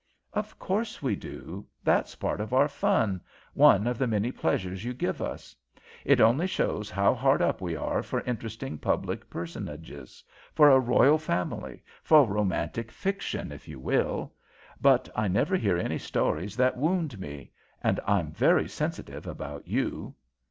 "Of course we do. That's part of our fun, one of the many pleasures you give us. It only shows how hard up we are for interesting public personages; for a royal family, for romantic fiction, if you will. But I never hear any stories that wound me, and I'm very sensitive about you."